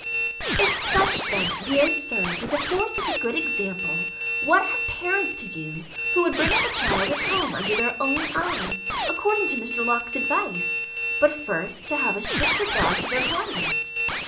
If such then, dear Sir, be the force of a good example, what have parents to do, who would bring up a child at home under their own eye, according to Mr. Locke's advice, but, first, to have a strict regard to their conduct!